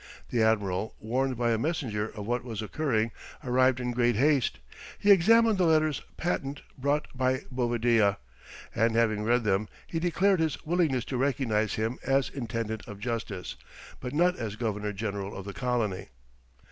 The admiral, warned by a messenger of what was occurring, arrived in great haste. He examined the letters patent brought by Bovadilla, and having read them, he declared his willingness to recognize him as intendant of justice, but not as governor general of the colony.